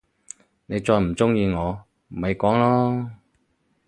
你再唔中意我，咪講囉！